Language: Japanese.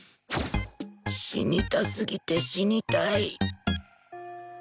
死にたすぎて死にたい